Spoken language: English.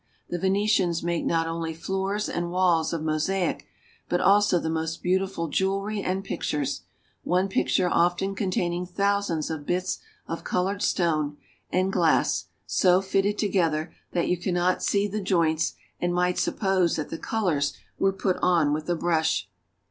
The Venetians make not only floors and walls of mosaic, but also the most beautiful jewelry and pictures, one picture often containing thousands of bits of colored stone and glass, so fitted together that you cannot see the joints and might suppose that the colors were put on with a brush.